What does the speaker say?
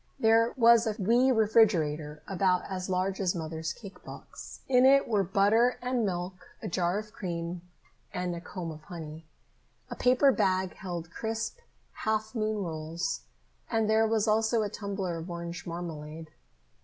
There was a wee refrigerator about as large as Mother's cake box. In it were butter and milk, a jar of cream, and a comb of honey. A paper bag held crisp half moon rolls, and there was also a tumbler of orange marmalade.